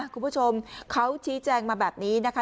คุณผู้ชมเขาชี้แจงมาแบบนี้นะคะ